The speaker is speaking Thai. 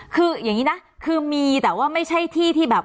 คืออย่างนี้นะคือมีแต่ว่าไม่ใช่ที่ที่แบบ